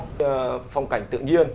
một cái phong cảnh tự nhiên